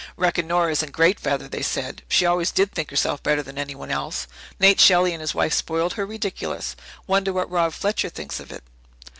"Reckon Nora is in great feather," they said. "She always did think herself better than anyone else. Nate Shelley and his wife spoiled her ridiculous. Wonder what Rob Fletcher thinks of it?"